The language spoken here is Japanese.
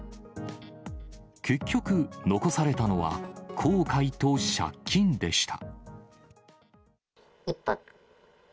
結局、残されたのは後悔と借金でした。